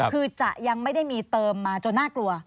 คือจะยังไม่ได้มีเติมมาจนน่ากลัว